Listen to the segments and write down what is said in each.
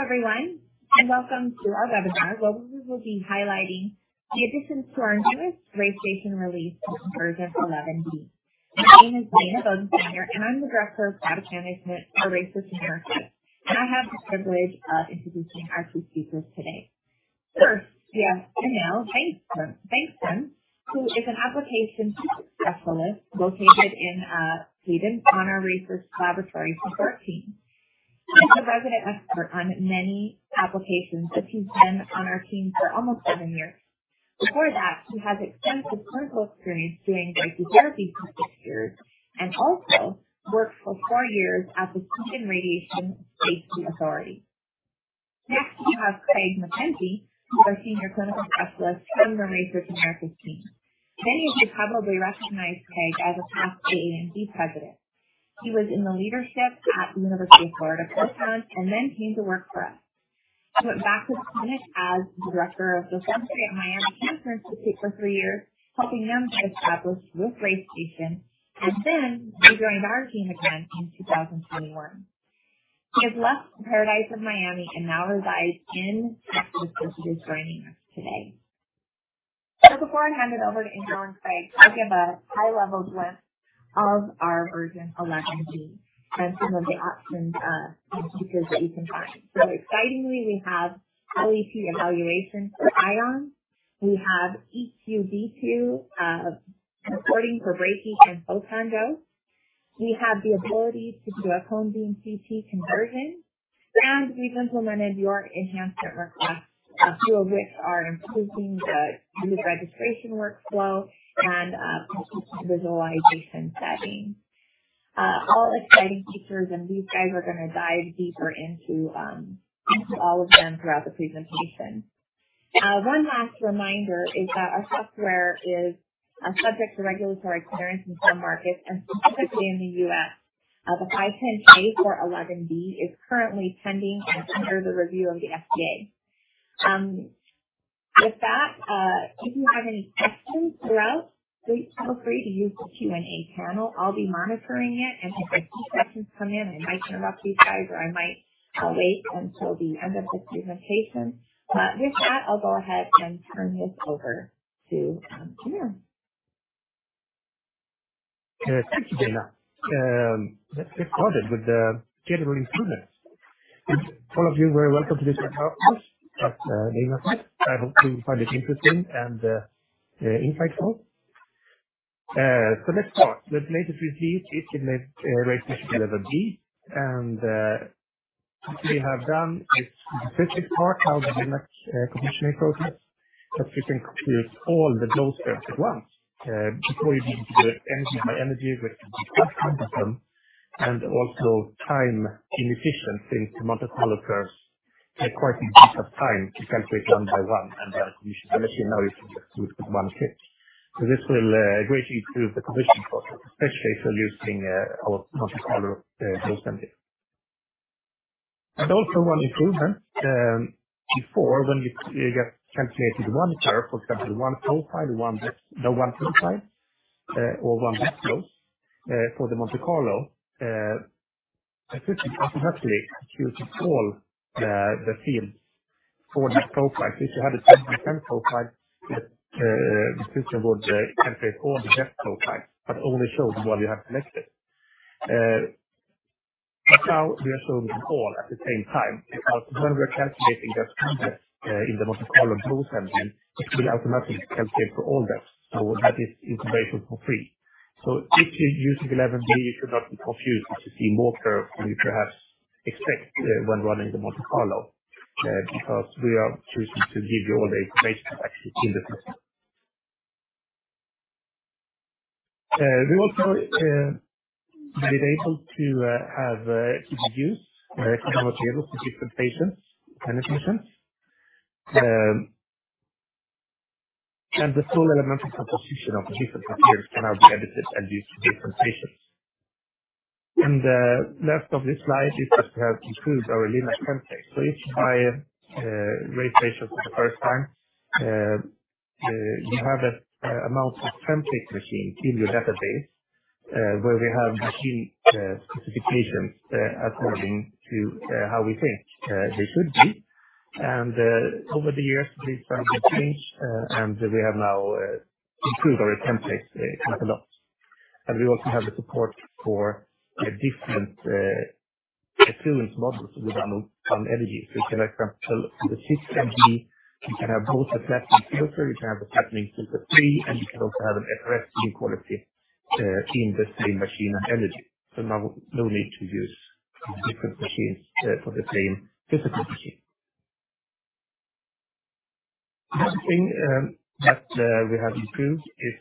Hello, everyone, and welcome to our webinar. We will be highlighting the additions to our newest RayStation release in version 11B. My name is Nina Bodensteiner, and I'm the Director of Product Management for RaySearch in New York City. I have the privilege of introducing our two speakers today. First, we have Emil Ekström, who is an application specialist located in Sweden on our RaySearch Laboratories team. He is a resident expert on many applications, but he's been on our team for almost seven years. Before that, he has extensive clinical experience doing brachytherapy for six years and also worked for four years at the Swedish Radiation Safety Authority. Next, we have Craig McKenzie, who is our Senior Clinical Specialist from the RaySearch Americas team. Many of you probably recognize Craig as a past AAMD president. He was in the leadership at the University of Florida Health Proton Therapy Institute and then came to work for us. He went back to the clinic as the director of the Center at Miami Cancer Institute for three years, helping them to establish with RayStation, and then rejoined our team again in 2021. He has left the paradise of Miami and now resides in Texas and is joining us today. So before I hand it over to Emil and Craig, I'll give a high-level glimpse of our version 11B and some of the options and features that you can find. So excitingly, we have LET evaluation for ions. We have EQD2 reporting for brachytherapy and photon dose. We have the ability to do a cone beam CT conversion, and we've implemented your enhancement requests, a few of which are improving the registration workflow and visualization settings. All exciting features, and these guys are going to dive deeper into all of them throughout the presentation. One last reminder is that our software is subject to regulatory clearance in some markets, and specifically in the U.S., the 510(k) for 11B is currently pending and under the review of the FDA. With that, if you have any questions throughout, please feel free to use the Q&A panel. I'll be monitoring it, and if I see questions come in, I might turn it over to you guys, or I might wait until the end of the presentation. With that, I'll go ahead and turn this over to Emil. Thank you, Nina. Let's get started with the general improvements. All of you are welcome to this webinar at Nina's side. I hope you find it interesting and insightful. So let's start. We have latest release issued with RayStation 11B, and what we have done is the first part, how the LINAC commissioning process, that we can compute all the doses at once before you need to do anything by energy with the subcomponent and also time inefficiency since the Monte Carlo curves take quite a bit of time to calculate one by one and then commission the machine. Now you can just do it with one click. So this will greatly improve the commissioning process, especially if you're using our Monte Carlo dose method. But also one improvement. Before, when you just calculated one curve, for example, one profile, one dose, no one profile, or one dose for the Monte Carlo, the system automatically computed all the fields for that profile. So if you had a 10% profile, the system would calculate all the depth profiles, but only show the one you have selected. But now we are showing them all at the same time. When we're calculating depth in the Monte Carlo dose engine, it will automatically calculate for all depths. So that is information for free. So if you're using 11B, you should not be confused if you see more curves than you perhaps expect when running the Monte Carlo, because we are choosing to give you all the information actually in the system. We also made it able to have use different materials for different patients and clinicians. The full elementary composition of the different materials can now be edited and used for different patients. And the last of this slide is that we have improved our LINAC templates. So if you buy RayStation for the first time, you have an amount of template machines in your database where we have machine specifications according to how we think they should be. And over the years, these are going to change, and we have now improved our templates quite a lot. And we also have the support for different fluence models with analog and energy. So you can, for example, with 6 MV, you can have both a flattening filter, you can have a flattening filter free, and you can also have an SRS quality in the same machine and energy. So now no need to use different machines for the same physical machine. The other thing that we have improved is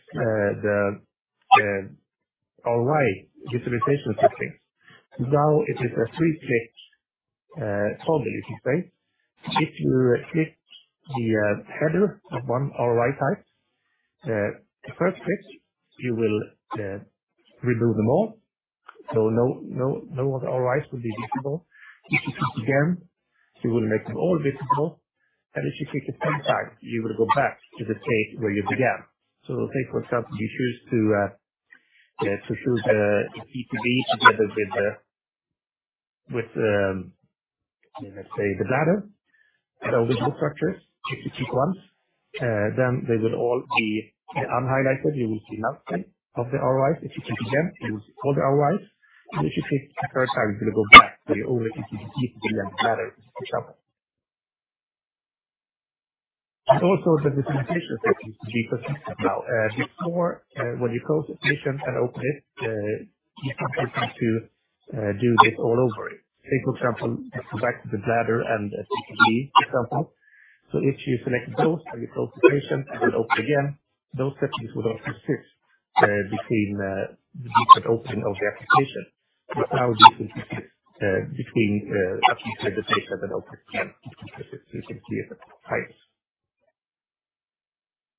the ROI visualization of these things. Now it is a three-click toggle, you could say. If you click the header of one ROI type, the first click, you will remove them all, so no other ROIs will be visible. If you click again, you will make them all visible, and if you click a third time, you will go back to the state where you began. Say, for example, you choose to show the CTV together with, let's say, the bladder and all visible structures. If you click once, then they will all be unhighlighted. You will see nothing of the ROIs. If you click again, you will see all the ROIs, and if you click a third time, you will go back to your only CTV, including the bladder, for example. Also the visualization settings will be consistent now. Before, when you close the patient and open it, you simply had to do this all over. Say, for example, back to the bladder and CTV, for example. So if you select both and you close the patient, you will open again. Those settings will not persist between the different opening of the application. It's now different between after you click the patient and open again. You can see it at times.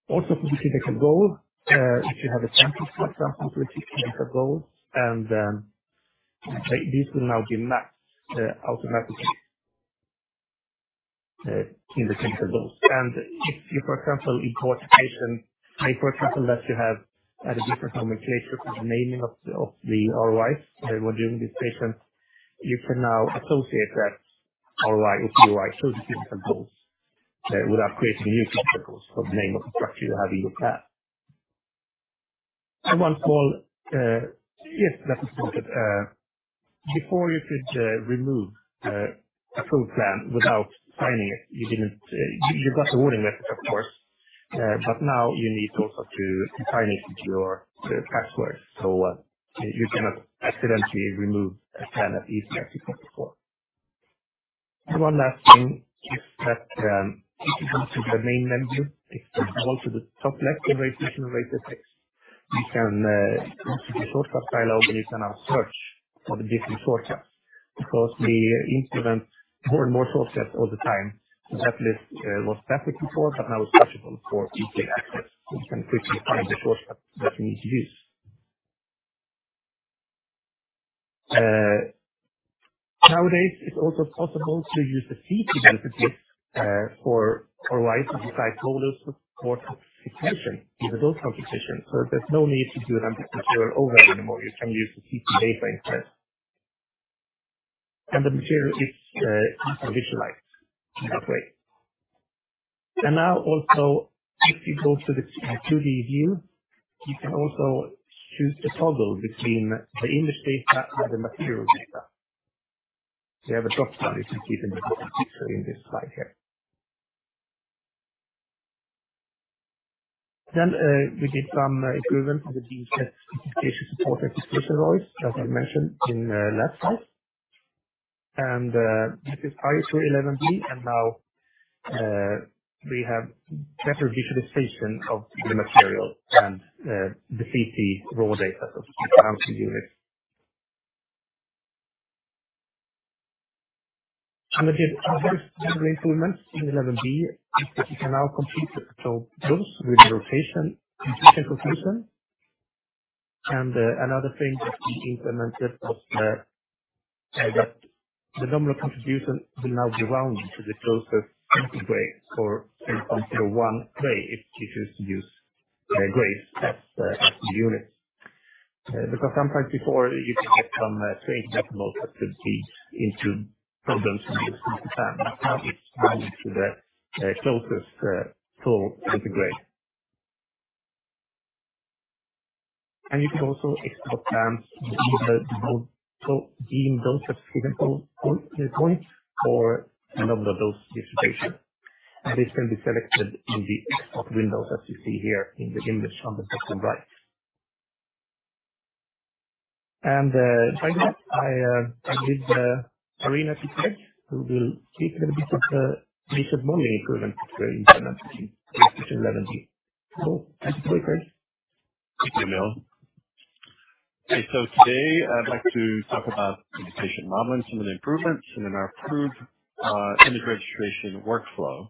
Also, for the clinical goal, if you have a sample, for example, for the clinical goals, and these will now be mapped automatically in the clinical goals. If you, for example, import a patient, say, for example, that you have at a different nomenclature for the naming of the ROIs when doing this patient, you can now associate that ROI with the ROI through the clinical goals without creating new clinical goals for the name of the structure you have in your plan. One small, yes, that was noted. Before, you could remove a full plan without signing it. You got the warning message, of course, but now you need also to sign it with your password. You cannot accidentally remove a plan as easily as you could before. One last thing is that if you go to the main menu, if you scroll to the top left in RayStation and [RaySearch X], you can use the shortcut dialog, and you can now search for the different shortcuts. Because we implement more and more shortcuts all the time. That list was static before, but now it's possible for easy access. You can quickly find the shortcut that you need to use. Nowadays, it's also possible to use the CT density for ROIs besides models for specification in the dose calculation. So there's no need to do it on the material override anymore. You can use the CT data instead. And the material is easy to visualize in that way. And now also, if you go to the 2D view, you can also choose the toggle between the image data and the material data. We have a dropdown, as you can see in this picture in this slide here. Then we did some improvements in the segmentation support and segmentation ROIs, as I mentioned in last slide. And this is RayStation 11B, and now we have better visualization of the material and the CT raw data, so Hounsfield units. And we did some very small improvements in 11B, which is that you can now compute the total dose with the rotation and patient perturbation. And another thing that we implemented was that the nominal distribution will now be rounded to the closest integer or 0.01 degree if you choose to use degrees as the unit. Because sometimes before, you can get some strange decimals that could lead into problems in the system. Now it's rounded to the closest full integer. And you can also export plans within the defined dose specification points or nominal dose distribution. And this can be selected in the export windows, as you see here in the image on the bottom right. And by the way, I believe Craig Mckenzie, who will speak a little bit of the recent modeling improvements that we're implementing in RaySearch 11B. Hello. Thank you, Craig. Thank you, Emil. Okay, so today I'd like to talk about adaptive modeling, some of the improvements, and then our approved image registration workflow.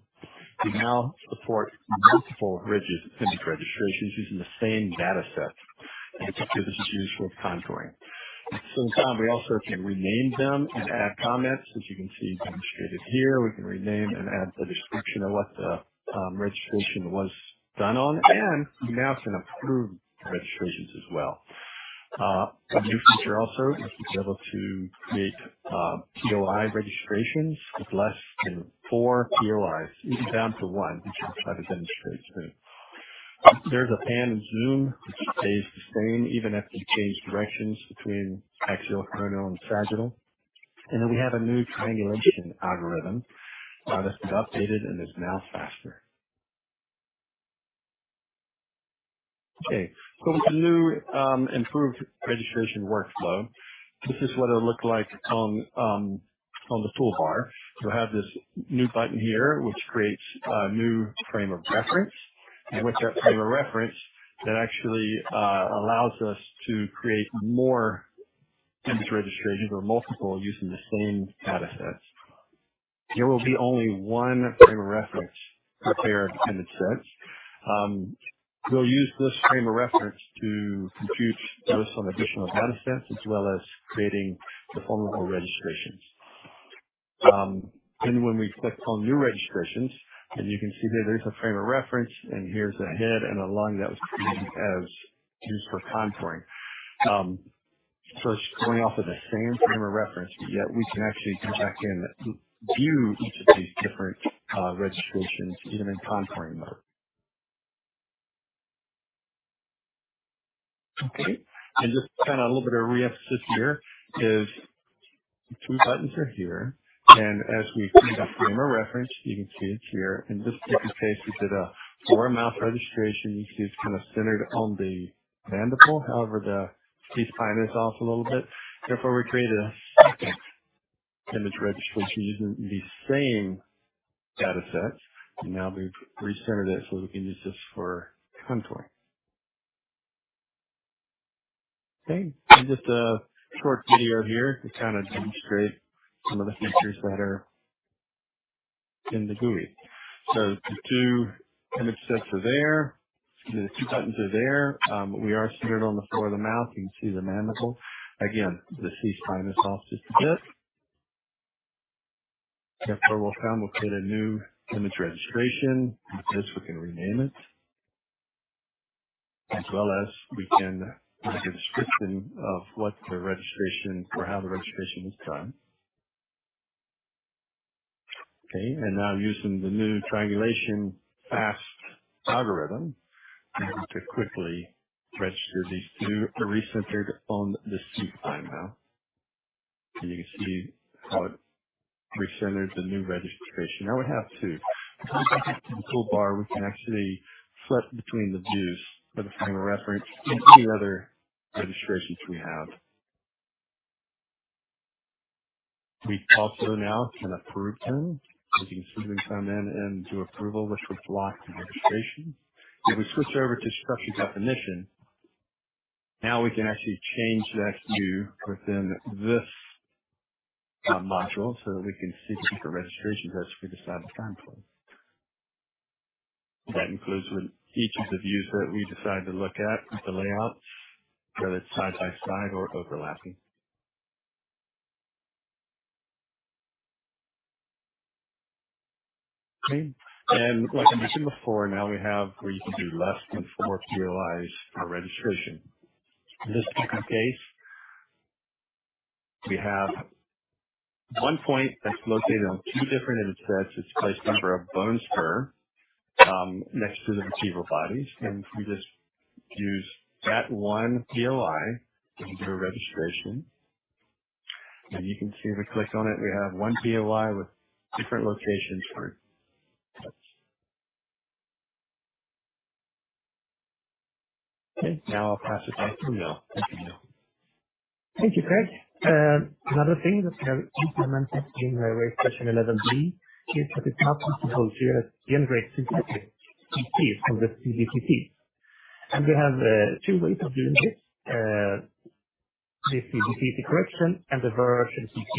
We now support multiple RaySearch image registrations using the same dataset. In particular, this is used for contouring. At the same time, we also can rename them and add comments, as you can see demonstrated here. We can rename and add the description of what the registration was done on, and we now can approve registrations as well. A new feature also, you'll be able to create POI registrations with less than four POIs, even down to one, which I'll try to demonstrate soon. There's a pan and zoom, which stays the same even after you change directions between axial, coronal, and sagittal, and then we have a new triangulation algorithm that's been updated and is now faster. Okay, so with the new improved registration workflow, this is what it'll look like on the toolbar. You'll have this new button here, which creates a new frame of reference, and with that frame of reference, that actually allows us to create more image registrations or multiple using the same datasets. There will be only one frame of reference prepared in a sense. We'll use this frame of reference to compute those on additional datasets, as well as creating the formal registrations, and when we click on new registrations, and you can see here, there's a frame of reference, and here's a head and a lung that was created as used for contouring, so it's going off of the same frame of reference, but yet we can actually go back and view each of these different registrations even in contouring mode. Okay, and just kind of a little bit of re-emphasis here is the two buttons are here, and as we create a frame of reference, you can see it's here. In this particular case, we did a floor of mouth registration. You can see it's kind of centered on the mandible. However, the C-spine is off a little bit. Therefore, we created a second image registration using the same datasets. And now we've re-centered it so we can use this for contouring. Okay, and just a short video here to kind of demonstrate some of the features that are in the GUI. So the two image sets are there. The two buttons are there. We are centered on the floor of the mouth. You can see the mandible. Again, the C-spine is off just a bit. Therefore, we'll come and create a new image registration. This, we can rename it, as well as we can make a description of what the registration or how the registration was done. Okay, and now using the new triangulation fast algorithm to quickly register these two, we're re-centered on the C-spine now. And you can see how it re-centered the new registration. Now we have two. Coming back to the toolbar, we can actually flip between the views for the frame of reference in any other registrations we have. We also now can approve them. As you can see, we can come in and do approval, which will block the registration. If we switch over to structure definition, now we can actually change that view within this module so that we can see the different registrations as we decide the time points. That includes each of the views that we decide to look at with the layouts, whether it's side by side or overlapping. Okay, and like I mentioned before, now we have where you can do less than four POIs per registration. In this particular case, we have one point that's located on two different image sets. It's placed over a bone spur next to the vertebral bodies. And if we just use that one POI, we can do a registration. And you can see if we click on it, we have one POI with different locations for. Okay, now I'll pass it back to Emil. Thank you, Emil. Thank you, Craig. Another thing that we have implemented in RayStation 11B is that it now features the integrated CT from the CBCT. We have two ways of doing this: the CBCT correction and the synthetic CT.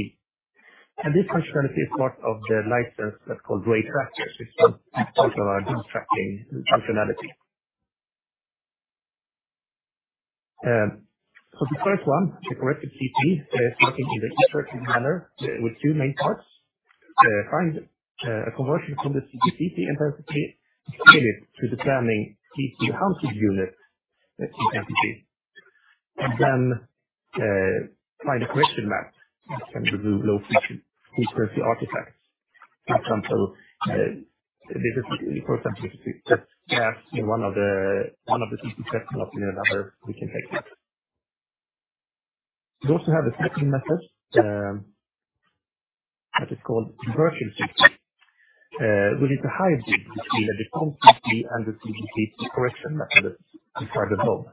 This functionality is part of the license that's called Dose Tracking, which is part of our dose tracking functionality. The first one, the corrected CT, is working in the iterative manner with two main parts. Find a conversion from the CBCT intensity unit to the planning CT Hounsfield unit CBCT. Then find a correction map that can remove low-frequency artifacts. in one of the CT sets and not in another, we can take that. We also have a second method that is called Virtual CT, which is a hybrid between a default CT and the CBCT correction method inside the loop.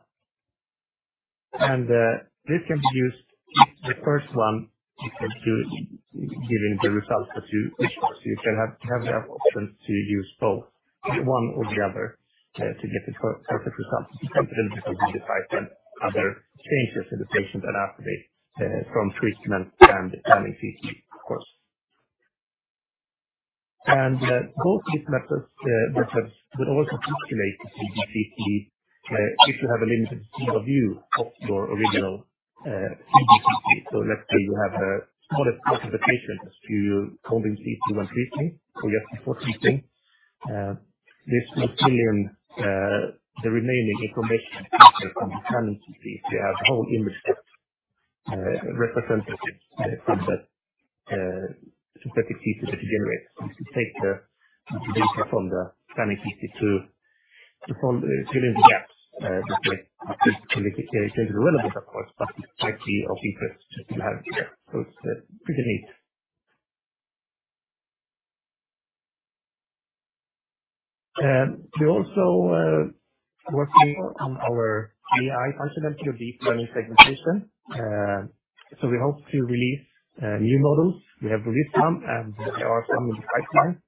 And this can be used if the first one is giving the result that you wish for. So you can have the option to use both, one or the other, to get the perfect result. It depends a little bit on the device and other changes in the patient and after the treatment and planning CT, of course. And both these methods will also simulate the CBCT if you have a limited field of view of your original CBCT. So let's say you have the smallest part of the patient as you combine CT when treating or just before treating. This will fill in the remaining information from the planning CT if you have the whole image set representative from the synthetic CT that you generate. So you can take the data from the planning CT to fill in the gaps. This may be clinically irrelevant, of course, but it might be of interest to have here. So it's pretty neat. We're also working on our AI functionality of deep learning segmentation. So we hope to release new models. We have released some, and there are some in the pipeline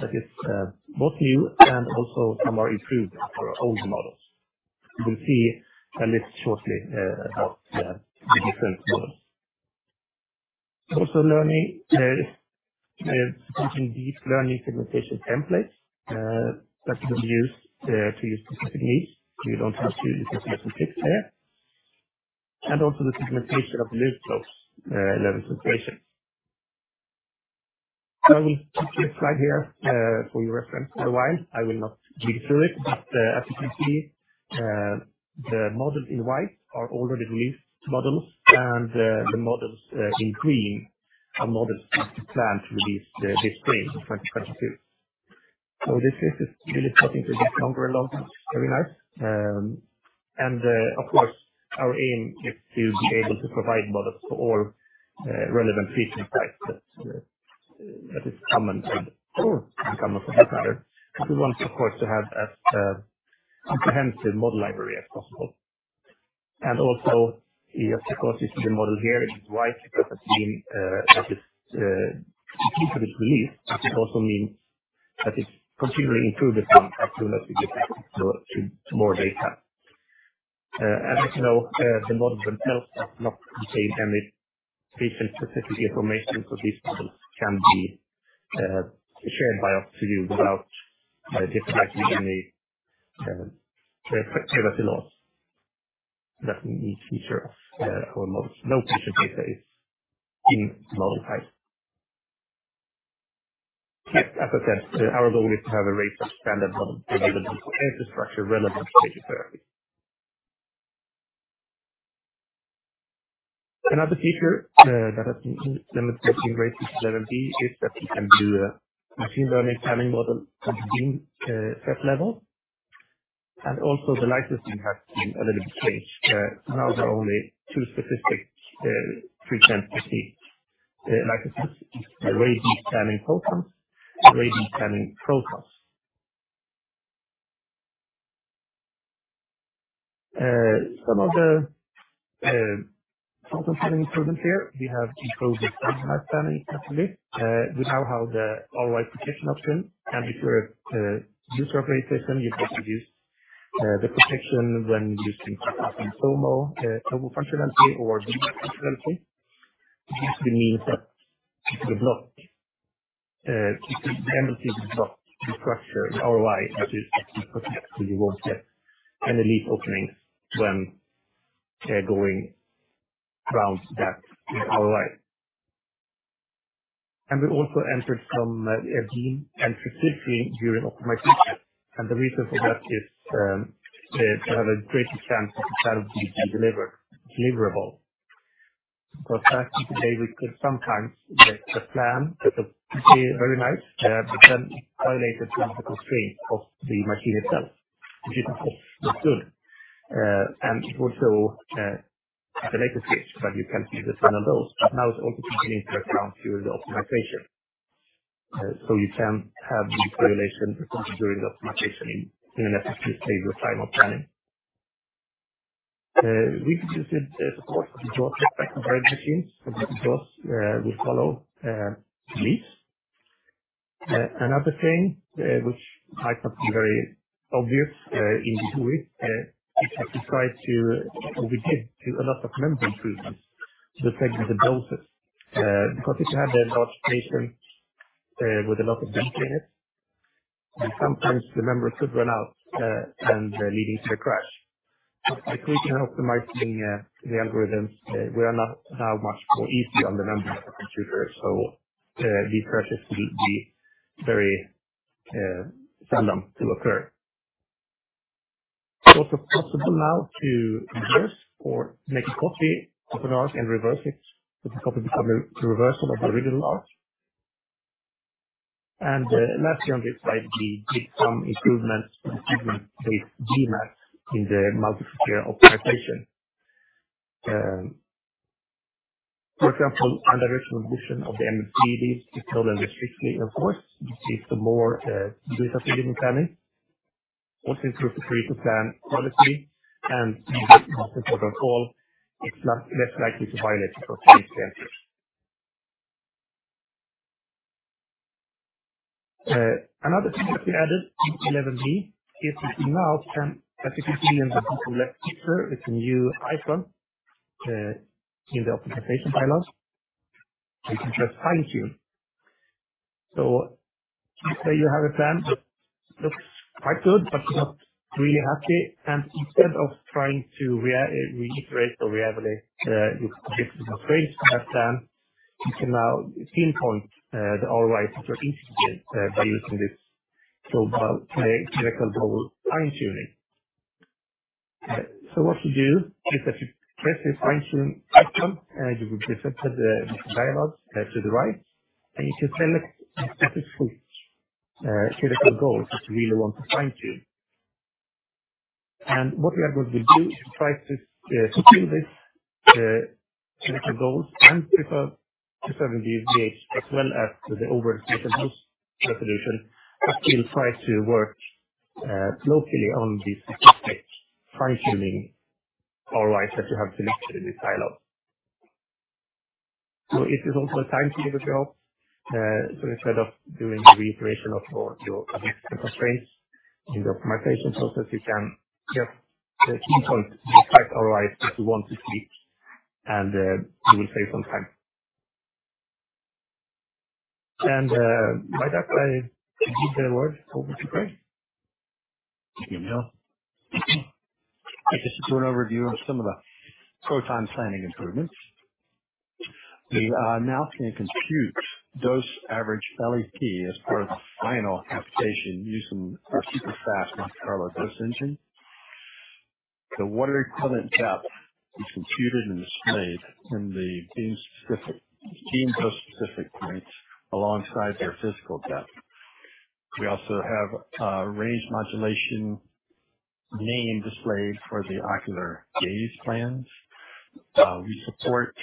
that is both new and also some are improved for old models. You will see a list shortly about the different models. Also learning, we're using deep learning segmentation templates that we'll use to use specific needs. So you don't have to, you can select and click there. And also the segmentation of lymph node level stations. So I will keep this slide here for your reference for a while. I will not read through it, but as you can see, the models in white are already released models, and the models in green are models that we plan to release this spring, 2022. So this list is really starting to get longer and longer, which is very nice. And of course, our aim is to be able to provide models for all relevant feature types that is common and/or become a problem pattern. We want, of course, to have as comprehensive a model library as possible. And also, just because you see the model here in white, it doesn't mean that it's completely released, but it also means that it's continually improved upon as soon as we get access to more data. As you know, the models themselves have not contained any patient-specific information, so these models can be shared by us to you without depriving you of any privacy laws. That's a neat feature of our models. No patient data is in the model file. Yes, as I said, our goal is to have a RayStation standard model available for infrastructure-relevant patient therapy. Another feature that has been implemented in RayStation 11B is that we can do a machine learning planning model at the beam set level. And also, the licensing has been a little bit changed. Now there are only two specific treatment technique licenses: the RAYD planning programs, the RAYD planning protocols. Some of the software planning improvements here, we have improved the standardized planning method list. We now have the ROI protection option. And if you're a user-optimized system, you've got to use the protection when using something like an MCO functionality or a VMAT functionality. This means that if you block, if the MCO is blocked, the structure, the ROI, actually protects so you won't get any leak openings when going around that ROI. And we also entered some beam angle feasibility during optimization. And the reason for that is to have a greater chance of the plan being deliverable. Because back in the day, we could sometimes get a plan that would be very nice, but then it violated some of the constraints of the machine itself, which is, of course, not good. And it would show at the latest stage, but you can't use it in those. But now it's also continuing to work around during the optimization. You can have these violations during the optimization in an efficient amount of time for planning. We could use it, of course, for the jaw-specific Varian machines, so that the jaws will follow the leaves. Another thing, which might not be very obvious in the GUI, is that we tried to, or we did, do a lot of memory improvements to the segmentation of doses. Because if you have a large patient with a lot of leakage in it, sometimes the memory could run out, leading to the crash. But by tweaking and optimizing the algorithms, we are now much more easy on the memory computer, so these crashes will be very seldom to occur. It's also possible now to reverse or make a copy of an arc and reverse it, so the copy becomes a reversal of the original arc. Lastly, on this slide, we did some improvements to the treatment-based VMAT in the multi-criteria optimization. For example, unidirectional motion of the MLC leaves is no longer strictly enforced. This leads to more deliverable planning, also improves the achievable plan quality, and most important of all, it's less likely to violate. Another thing that we added to 11B is that we now can, as you can see in the left picture, it's a new icon in the optimization panel. You can press fine-tune. So let's say you have a plan that looks quite good, but you're not really happy. And instead of trying to iterate or re-evaluate your predicted constraints for that plan, you can now pinpoint the ROIs that you're interested in by using this global clinical goal fine-tuning. So what you do is that you press this fine-tune icon, and you will be sent to the dialog to the right, and you can select the specific clinical goals that you really want to fine-tune. And what the app will do is try to fulfill these clinical goals and preserve the VH as well as the overall clinical resolution, but still try to work locally on these specific fine-tuning ROIs that you have selected in this dialog. So it is also a time-saving job. So instead of doing the reiteration of your existing constraints in the optimization process, you can just pinpoint the exact ROIs that you want to keep, and you will save some time. And with that, I give the word over to Craig. Thank you, Emil. I just did a short overview of some of the proton planning improvements. We are now going to compute dose average LET as part of the final application using our super-fast Monte Carlo dose engine. The water equivalent depth is computed and displayed in the beam-specific points alongside their physical depth. We also have a range modulation PTV displayed for the ocular plans. We support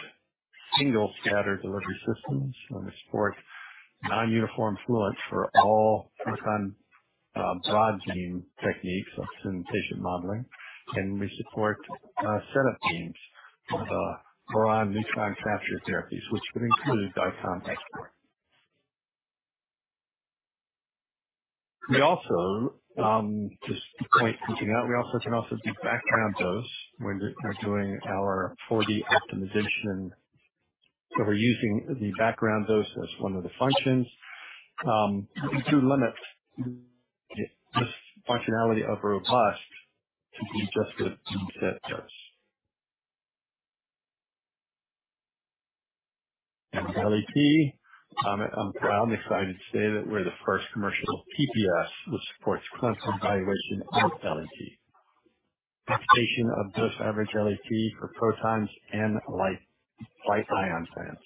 single scatter delivery systems, and we support non-uniform fluence for all proton broad beam techniques of simulation modeling. We support setup beams for boron neutron capture therapy, which would include DICOM export. We also, just to point something out, can do background dose when we're doing our 4D optimization. We're using the background dose as one of the functions. We do limit this functionality of robust to be just the beam set dose. LET. I'm proud and excited to say that we're the first commercial TPS which supports clinical evaluation of LET. Application of dose average LET for protons and light ion plans.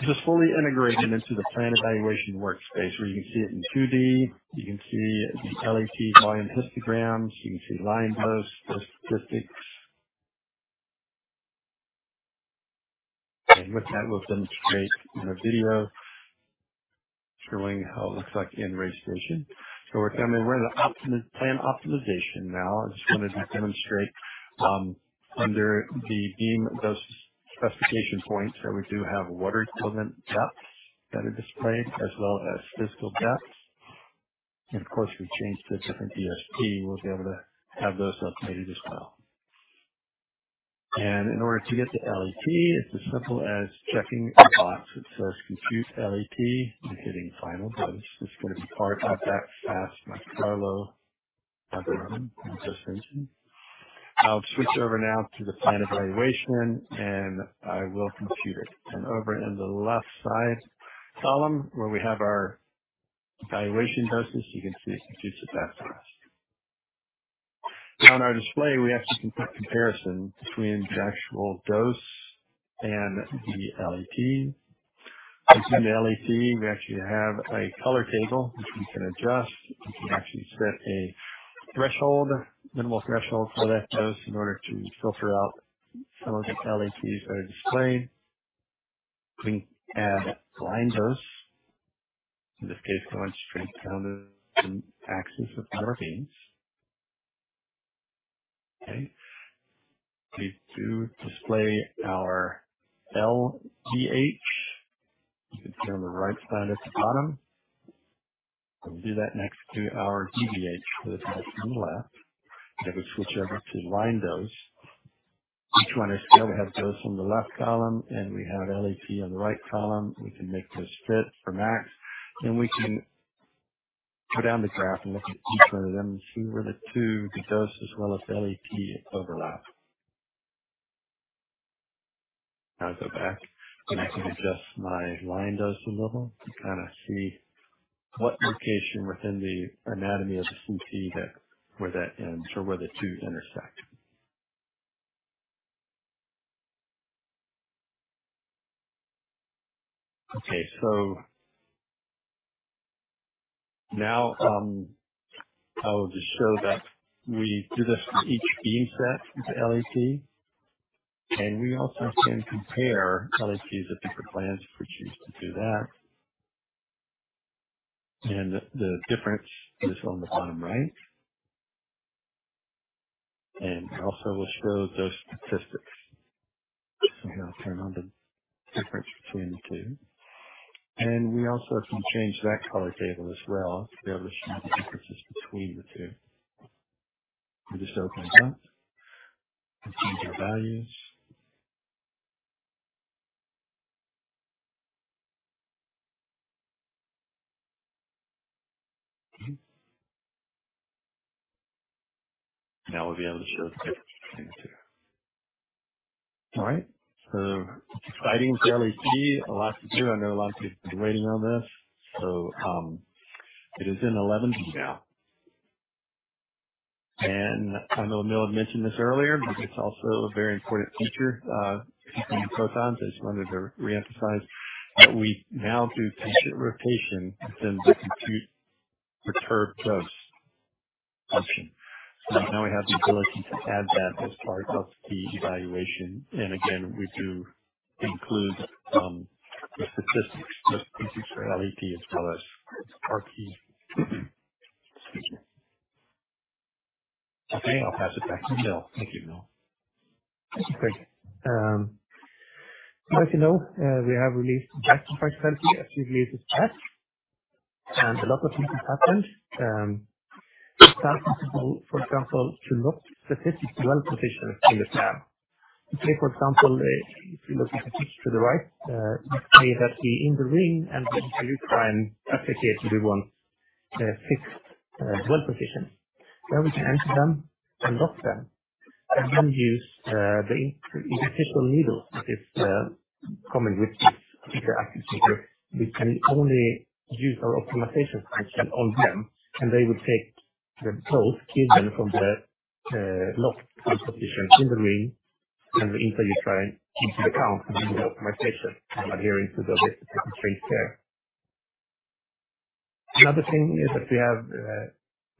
This is fully integrated into the plan evaluation workspace, where you can see it in 2D. You can see the LET volume histograms. You can see line dose, dose statistics, and with that, we'll demonstrate in a video showing how it looks like in RaySearch. We're coming to plan optimization now. I just wanted to demonstrate under the beam dose specification points that we do have water equivalent depths that are displayed, as well as physical depths, and of course, we changed to a different ESP. We'll be able to have those updated as well, and in order to get the LET, it's as simple as checking a box that says compute LET and hitting final dose. It's going to be part of that fast Monte Carlo algorithm and dose engine. I'll switch over now to the plan evaluation, and I will compute it. Over in the left side column, where we have our evaluation doses, you can see it computes it back for us. Now on our display, we actually can put comparison between the actual dose and the LET. Within the LET, we actually have a color table, which we can adjust. We can actually set a threshold, minimal threshold for that dose in order to filter out some of the LETs that are displayed. We can add a line dose. In this case, we want to trace down the axis of the beams. Okay. We do display our LVH. You can see on the right side at the bottom. We'll do that next to our DVH, which is next to the left. If we switch over to line dose, each one is here. We have dose on the left column, and we have LET on the right column. We can make this fit for max. We can go down the graph and look at each one of them and see where the two dose as well as LET overlap. Now I go back, and I can adjust my line dose a little to kind of see what location within the anatomy of the CT where that ends or where the two intersect. Okay. Now I'll just show that we do this for each beam set of LET. We also can compare LETs of different plans if we choose to do that. The difference is on the bottom right. It also will show those statistics. Here I'll turn on the difference between the two. And we also can change that color table as well to be able to show the differences between the two. We just open it up and change our values. Now we'll be able to show the difference between the two. All right. So exciting for LET. A lot to do. I know a lot of people have been waiting on this. So it is in 11B now. And I know Emil had mentioned this earlier, but it's also a very important feature for keeping protons. I just wanted to reemphasize that we now do patient rotation within the compute perturbed dose function. So now we have the ability to add that as part of the evaluation. And again, we do include the statistics for LET as well as RBE. Okay. I'll pass it back to Emil. Thank you, Emil. Thank you, Craig. So as you know, we have released the strategy as we released it yet, and a lot of things have happened. It's now possible, for example, to lock specific dwell positions in the plan. You see, for example, if you look at the picture to the right, you can see that we're in the ring, and we use line application to do one fixed dwell position, then we can enter them and lock them, and then use the initial needles that is coming with this feature application. We can only use our optimization function on them, and they will take the dose given from the locked position in the ring and the dwell time into account and do the optimization adhering to the specific constraints there. Another thing that we have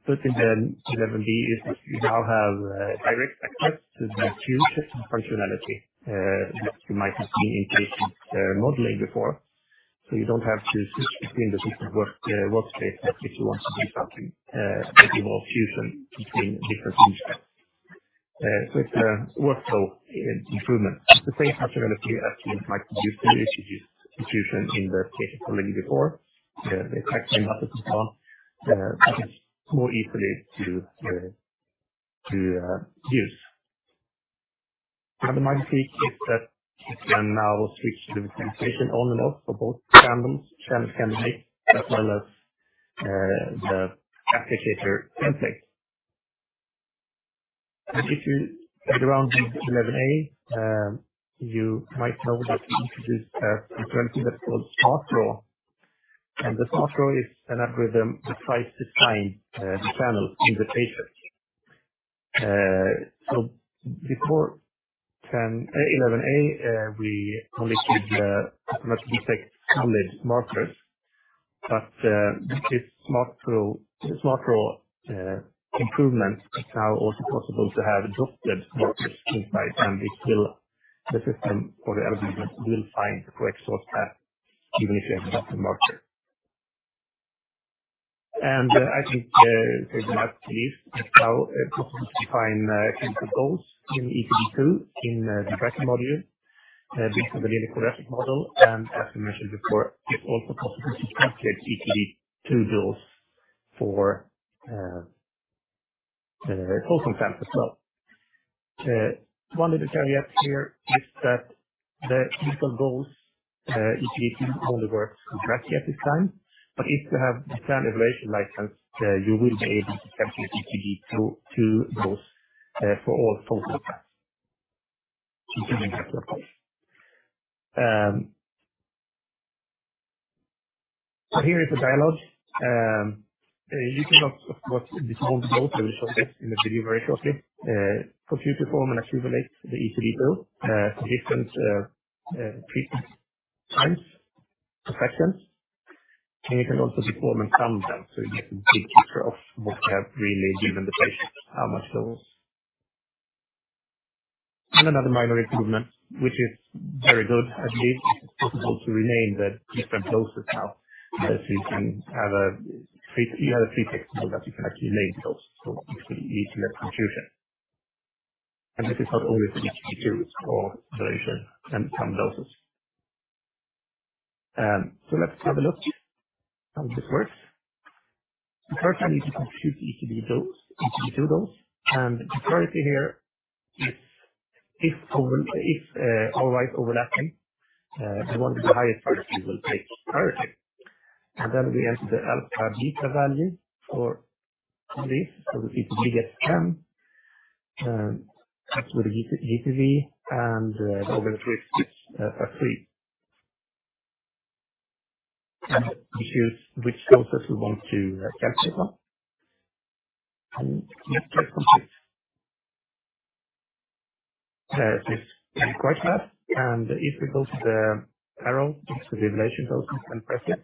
put in 11B is that we now have direct access to the fusion functionality that you might have seen in patient modeling before, so you don't have to switch between the different workspaces if you want to do something that involves fusion between different beam sets, so it's a workflow improvement. It's the same functionality as you might be used to if you used fusion in the case of before, the track time buffers and so on. It's more easily to use. Another magic trick is that you can now switch the visualization on and off for both random channel candidates as well as the applicator template, and if you played around with 11A, you might know that we introduced a functionality that's called [SmartPro], and the [SmartPro] is an algorithm that tries to find the channels in the patient. So before 11A, we only could not detect solid markers. But with this [SmartPro] improvement, it's now also possible to have dotted markers inside, and the system or the algorithm will find the correct source path even if you have a dotted marker. And I think, as you might have noticed, it's now possible to define clinical goals in EQD2 in the brachytherapy module based on the linear quadratic model. And as I mentioned before, it's also possible to calculate EQD2 goals for voxel samples as well. One little caveat here is that the clinical goals EQD2 only works with brachytherapy at this time. But if you have the plan evaluation license, you will be able to calculate EQD2 goals for all focal paths. EQD2 goals. So here is the dialogue. You can also, of course, deform the goals. I will show this in the video very shortly. Deform and accumulate the EQD2 for different treatment times, fractions. You can also deform and sum them, so you get a big picture of what we have really given the patient, how much dose. Another minor improvement, which is very good, I believe, is it's possible to rename the different doses now. So you can have a free text mode that you can actually name the dose. So it's really easy to avoid confusion. This is not only for EQD2, it's for evaluation and summed doses. Let's have a look at how this works. First, we need to compute the EQD2 dose. The priority here is if all ROIs overlap, the one with the highest priority will take priority. Then we enter the alpha beta value for this. So the EQD2 gets 10 with the GTV, and the overall risk is at three. And we choose which doses we want to calculate on. And click Complete. So it's quite fast. And if we go to the arrow, which is the evaluation doses, and press it,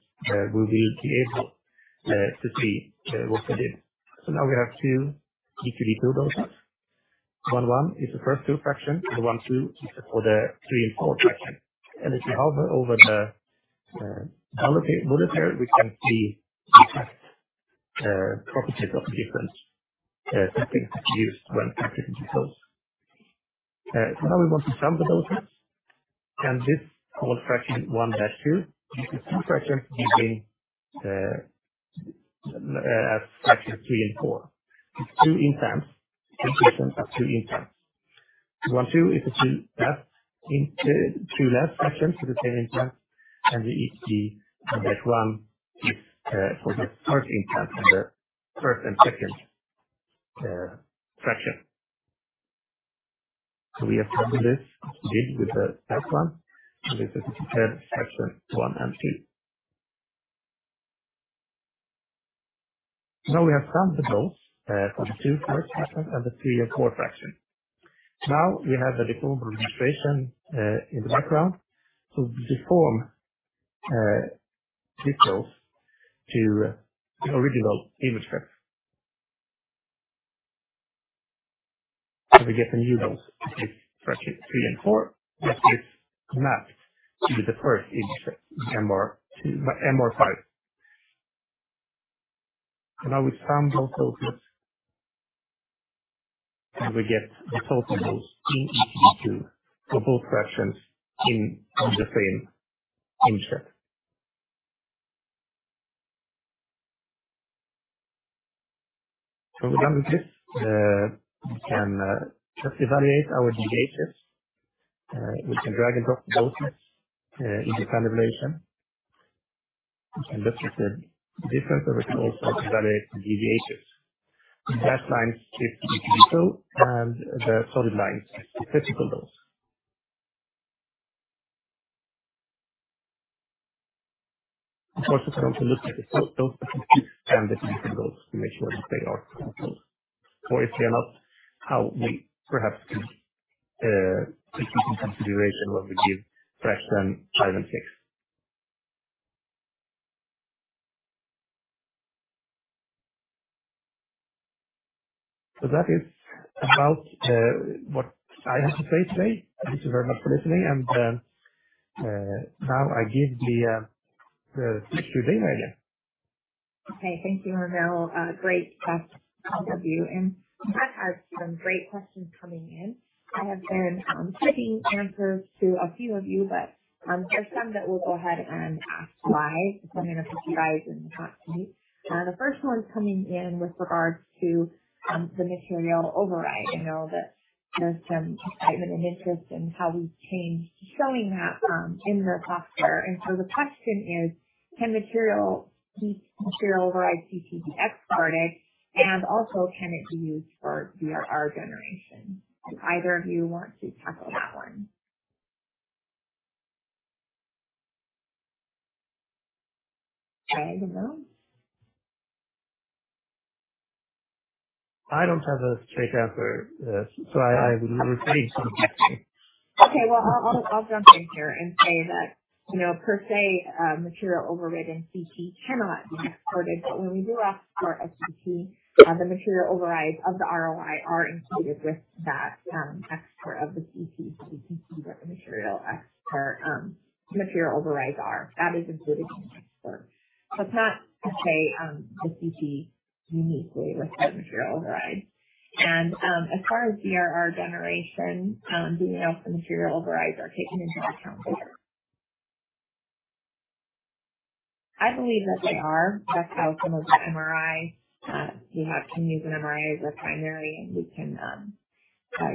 we will be able to see what we did. So now we have two EQD2 doses. One is the first two fractions, and the one two is for the three and four fractions. And if we hover over the folder, we can see the exact properties of the different templates that we used when calculating the dose. So now we want to sum the doses. And this is called fraction one dash two, you can see fractions given as fractions three and four. It's two implants, two patients have two implants. One two is the two left fractions with the same implants. The EQD2-1 is for the first implant and the first and second fraction. We have summed this as we did with the first one. This is the fraction one and two. We have summed the dose for the two first fractions and the three and four fractions. We have a deformable registration in the background. We deform this dose to the original image set. We get a new dose for these fractions three and four. This is mapped to the first image set, MR5. We sum those doses. We get the total dose in EQD2 for both fractions in the same image set. We're done with this. We can just evaluate our deviations. We can drag and drop the doses in the plan evaluation. We can look at the difference over. We can also evaluate the deviations. The dashed lines shift the EQD2, and the solid lines shift the physical dose. Of course, we can also look at the dose that we took and the physical dose to make sure that they are physical dose. Or if they are not, how we perhaps could take into consideration when we give fraction five and six. So that is about what I have to say today. Thank you very much for listening. And now I give the speech to Nina again. Okay. Thank you, Emil. Great chat from both of you. And I have some great questions coming in. I have been keeping answers to a few of you, but there are some that we'll go ahead and ask live depending on if you guys are in the class meet. The first one's coming in with regards to the material override. I know that there's some excitement and interest in how we change showing that in the software. And so the question is, can material override CT be exported? And also, can it be used for DRR generation? If either of you want to tackle that one. Okay. I don't know. I don't have a straight answer to this. So I will refrain from answering. Okay. Well, I'll jump in here and say that, per se, material overridden CT cannot be exported. But when we do export a CT, the material overrides of the ROI are included with that export of the CT so we can see what the material overrides are. That is included in the export. So it's not, per se, the CT uniquely with the material overrides. And as far as DRR generation, do we know if the material overrides are taken into account there? I believe that they are. That's how some of the MRI we have can use an MRI as our primary, and we can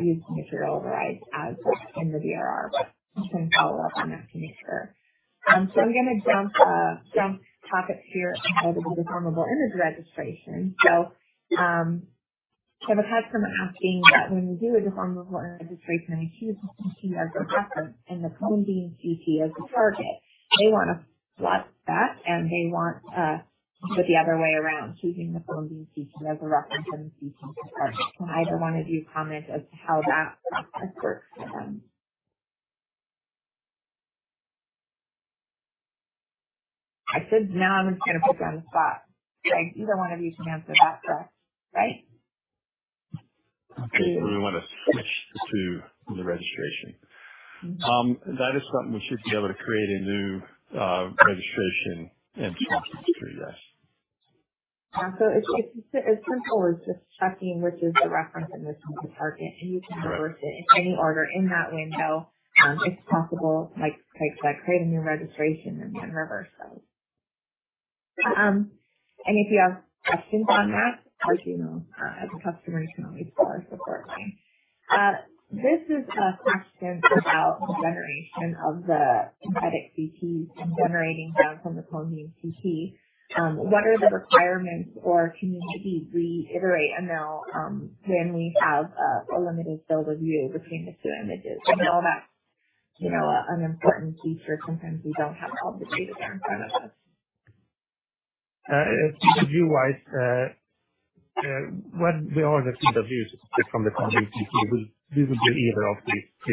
use the material overrides as in the DRR. We can follow up on that to make sure. So I'm going to jump topics here and go to the deformable image registration. So I have a customer asking that when we do a deformable image registration, we choose the CT as the reference and the cone-beam CT as the target. They want to swap that, and they want to do it the other way around, choosing the cone-beam CT as a reference and the CT as the target. Can either one of you comment as to how that process works for them? I said now I'm just going to put you on the spot. Either one of you can answer that correct, right? We want to switch to the registration. That is something we should be able to create a new registration and switch to, yes. So it's as simple as just checking which is the reference and which is the target. And you can reverse it in any order in that window. It's possible, like Craig said, create a new registration and then reverse those. And if you have questions on that, as you know, as a customer, you can always call or support me. This is a question about the generation of the synthetic CTs and generating them from the cone beam CT. What are the requirements or can you maybe reiterate, Emil, when we have a limited field of view between the two images? I know that's an important feature. Sometimes we don't have all the data there in front of us. If you could view-wise, when we are on the field of view to pick from the cone beam CT, we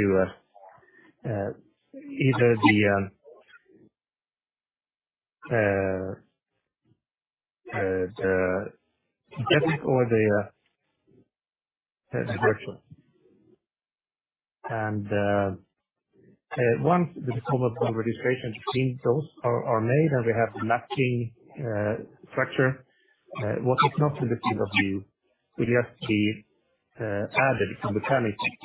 would do either of these two, either the rigid or the deformable. And once the deformable registrations between those are made and we have the matching structure, what is not in the field of view would just be added from the planning CT.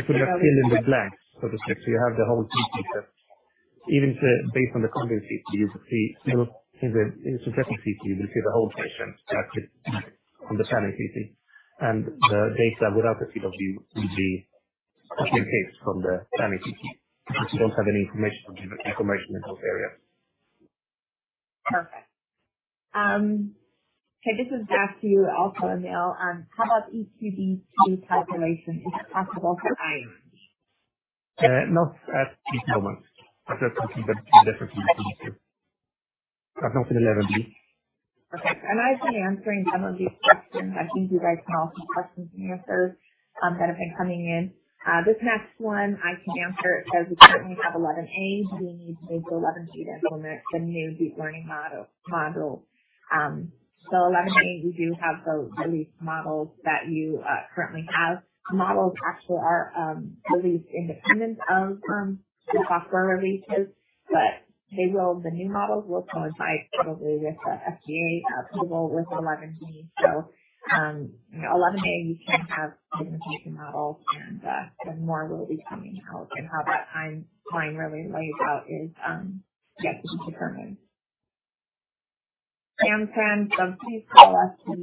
It would not fill in the blanks, so to speak. So you have the whole CT set. Even based on the cone beam CT, you will see in the synthetic CT, you will see the whole patient as it is on the planning CT. And the data without the field of view would be copied and pasted from the planning CT because we don't have any information to give information in those areas. Perfect. Okay. This is back to you also, Emil. How about EQD2 calculation? Is it possible for IR? Not at this moment. But that's something that we definitely need to do. But not in 11B. Perfect. And I've been answering some of these questions. I think you guys can all see questions and answers that have been coming in. This next one, I can answer. It says we currently have 11A. Do we need to move to 11B to implement the new deep learning module? So 11A, we do have the released models that you currently have. The models actually are released independent of the software releases. But the new models will coincide probably with the FDA approval with 11B. So 11A, you can have pre-trained models, and more will be coming out. And how that timeline really lays out is yet to be determined. And friends, please call us because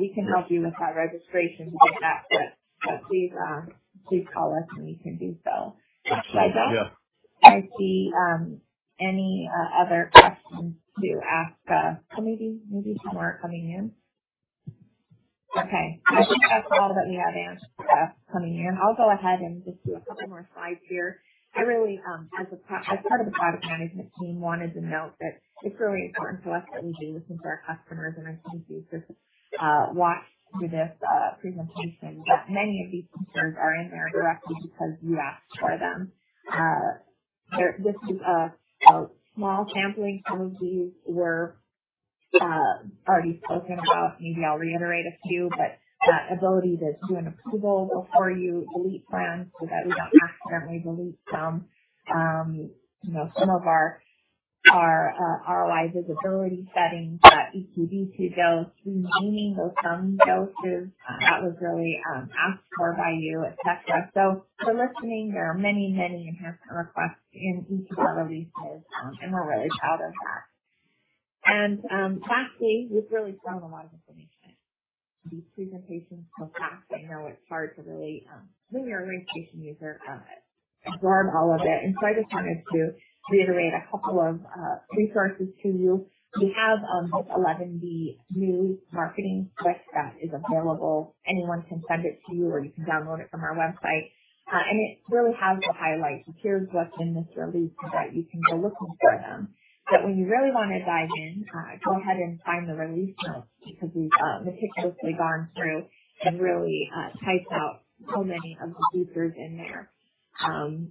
we can help you with that registration to get that. But please call us, and we can do so. Did I jump? Yeah. I see any other questions to ask. So maybe some more are coming in. Okay. I think that's all that we have coming in. I'll go ahead and just do a couple more slides here. I really, as part of the product management team, wanted to note that it's really important to us that we do listen to our customers. And I think you just watched through this presentation that many of these features are in there directly because you asked for them. This is a small sampling. Some of these were already spoken about. Maybe I'll reiterate a few. But ability to do an approval before you delete plans so that we don't accidentally delete some. Some of our ROI visibility settings that EQD2 goes through, naming those some doses. That was really asked for by you, etc., so for listening, there are many, many enhancement requests in each of the releases, and we're really proud of that, and lastly, we've really thrown a lot of information at these presentations so fast. I know it's hard to really, when you're a RayStation user, absorb all of it, so I just wanted to reiterate a couple of resources to you. We have this 11B new marketing sheet that is available. Anyone can send it to you, or you can download it from our website. And it really has the highlights. Here's what's in this release so that you can go looking for them. But when you really want to dive in, go ahead and find the release notes because we've meticulously gone through and really typed out so many of the features in there. I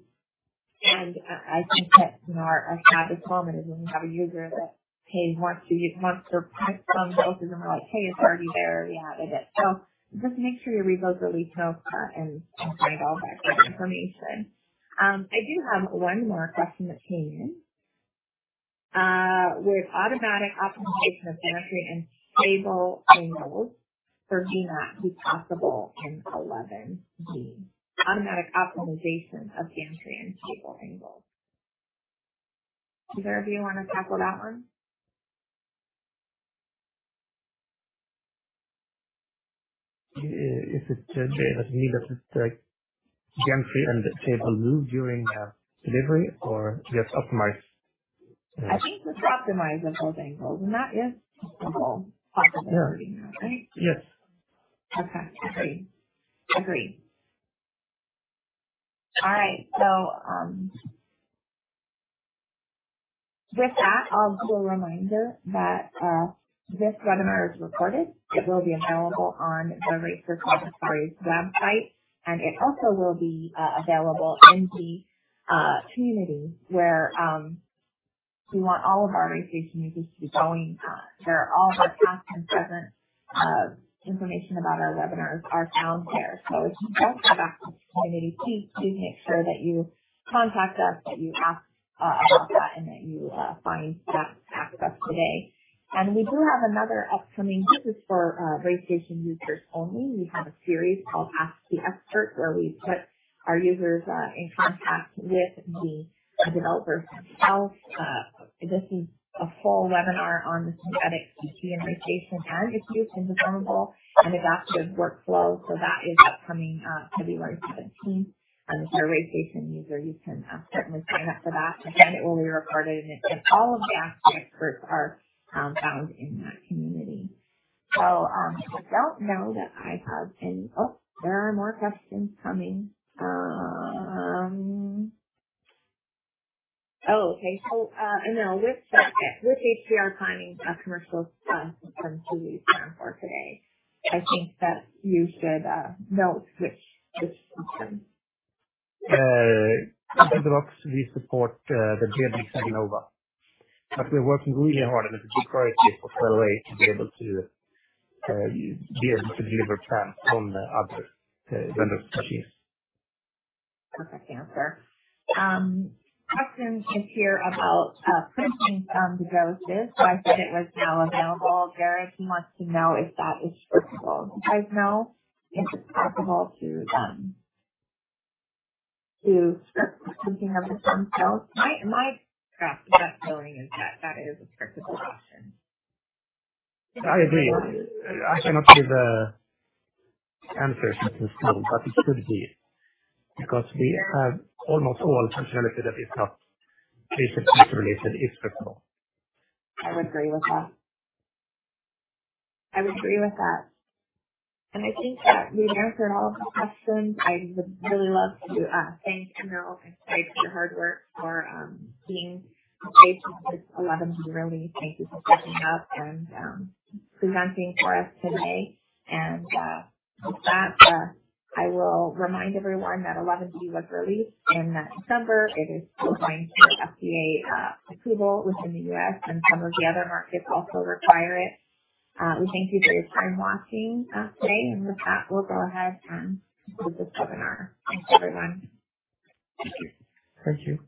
think that our saddest moment is when we have a user that, hey, wants to print some doses, and we're like, "Hey, it's already there. We added it." So just make sure you read those release notes and find all that great information. I do have one more question that came in. Would automatic optimization of gantry and table angles for VMAT be possible in 11B? Automatic optimization of gantry and table angles. Does everybody want to tackle that one? Is it needed to gantry and table move during delivery, or just optimize? I think just optimization of those angles. And that is a simple possibility now, right? Yes. Okay. Agreed. Agreed. All right. So with that, I'll do a reminder that this webinar is recorded. It will be available on the RaySearch Laboratories' website. And it also will be available in the community where we want all of our RayStation users to be going. There are all of our past and present information about our webinars are found there. So if you don't have access to the community, please do make sure that you contact us, that you ask about that, and that you find that access today. And we do have another upcoming. This is for RayStation users only. We have a series called Ask the Expert, where we put our users in contact with the developers themselves. This is a full webinar on the synthetic CT and RayStation and its use in deformable and adaptive workflows. So that is upcoming February 17th. And if you're a RayStation user, you can certainly sign up for that. Again, it will be recorded. And all of the Ask the Experts are found in that community. I don't know that I have any. There are more questions coming. Okay. So Emil, which HDR planning commercial system should we plan for today? I think that you should know which system. In the box, we support the. But we're working really hard on it. It's a big priority for RayStation to be able to deliver plans from other vendors' machines. Perfect answer. Question is here about printing some of the doses. So I said it was now available. Jared, he wants to know if that is printable. Do you guys know if it's possible to do printing of the DVHs? My graphic representation is that that is a printable option. I agree. I cannot give answers in full, but it should be because we have almost all functionality that is not RayStation-related if printable. I would agree with that. I would agree with that. And I think that we've answered all of the questions. I would really love to thank Emil and Craig for your hard work for being engaged with 11B release. Thank you for showing up and presenting for us today. And with that, I will remind everyone that 11B was released in December. It is still going to FDA approval within the U.S., and some of the other markets also require it. We thank you for your time watching today. And with that, we'll go ahead and conclude this webinar. Thanks, everyone. Thank you. Thank you.